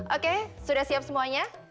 oke sudah siap semuanya